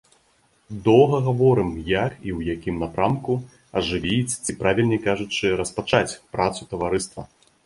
Доўга гаворым, як і ў якім напрамку ажывіць ці, правільней кажучы, распачаць працу таварыства.